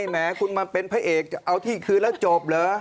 แหมคุณมาเป็นพระเอกจะเอาที่คืนแล้วจบเหรอ